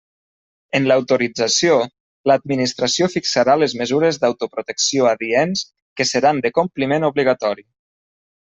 En l'autorització, l'Administració fixarà les mesures d'autoprotecció adients que seran de compliment obligatori.